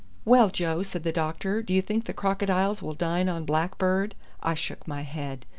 "Well, Joe," said the doctor, "do you think the crocodiles will dine on blackbird?" I shook my head.